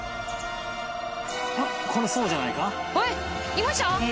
いました？